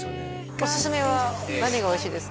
おすすめは何がおいしいですか？